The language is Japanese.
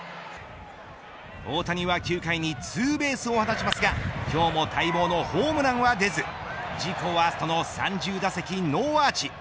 大谷は９回にツーベースを放ちますが今日も待望のホームランは出ず自己ワーストの３０打席ノーアーチ。